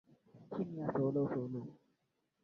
ya chini ya anga ni tofauti na ozoni iliyo kwenye